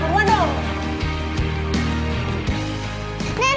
iya ibu mau istirahatkan